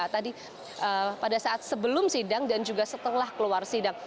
tadi pada saat sebelum sidang dan juga setelah keluar sidang